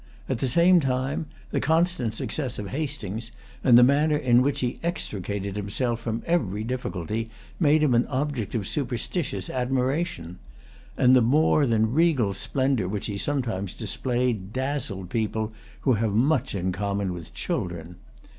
At the same time, the constant success of Hastings and the manner in which he extricated himself from every difficulty made him an object of superstitious admiration; and the more than regal splendor which he sometimes displayed dazzled a people who have much in common with children.